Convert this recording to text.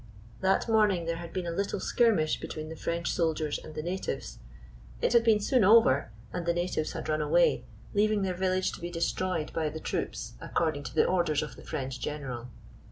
That morning there had been a little skirmish between the French soldiers and the natives. It had been soon over, and the natives had run away, leaving their village to be destroyed by the troops, according to the orders of the French general.